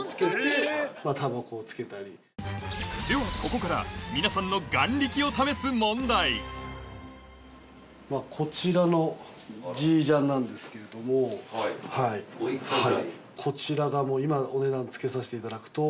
ではここから皆さんのこちらのＧジャンなんですけども。こちらが今お値段付けさせていただくと。